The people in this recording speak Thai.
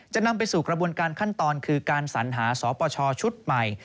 นำไปสู่กระบวนการขั้นตอนคือการสัญหาสปชชุดใหม่